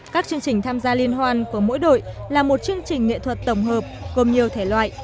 các chương trình tham gia liên hoan của mỗi đội là một chương trình nghệ thuật tổng hợp gồm nhiều thể loại